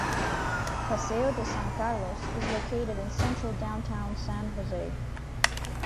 Paseo de San Carlos is located in central Downtown San Jose.